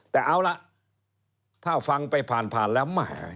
แต่เอาล่ะถ้าฟังไปผ่านแล้วแหม